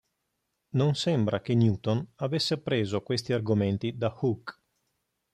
Non sembra che Newton avesse appreso questi argomenti da Hooke.